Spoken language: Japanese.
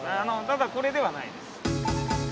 ただこれではないです。